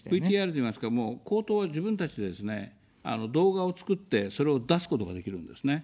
ＶＴＲといいますか、もう公党は自分たちでですね、動画を作って、それを出すことができるんですね。